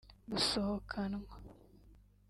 gusohokanwa